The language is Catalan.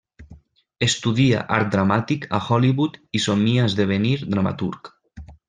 Estudia art dramàtic a Hollywood i somia esdevenir dramaturg.